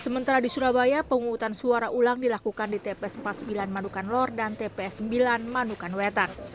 sementara di surabaya penghutang suara ulang dilakukan di tps empat puluh sembilan manukan lor dan tps sembilan manukan wetan